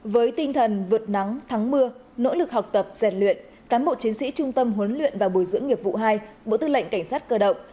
với tinh thần vượt nắng thắng mưa nỗ lực học tập rèn luyện cán bộ chiến sĩ trung tâm huấn luyện và bồi dưỡng nghiệp vụ hai bộ tư lệnh cảnh sát cơ động